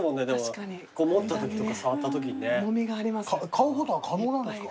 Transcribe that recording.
買うことは可能なんですか？